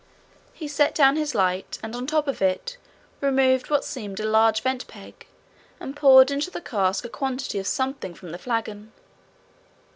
He set down his light on the top of it, removed what seemed a large vent peg, and poured into the cask a quantity of something from the flagon.